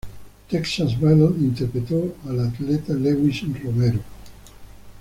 Texas Battle interpretó al atleta Lewis Romero.